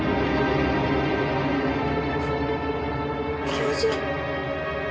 教授？